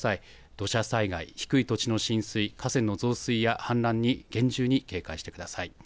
土砂災害、低い土地の浸水、河川の増水や氾濫に厳重に警戒してください。